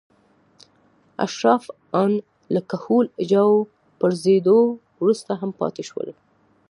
اشراف ان له کهول اجاو پرځېدو وروسته هم پاتې شول.